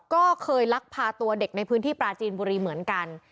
ก็เคยลักพาตัวเด็กในพื้นที่ปลาจีนบุรีเหมือนกัน